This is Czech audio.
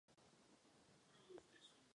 Na tom se shodneme všichni.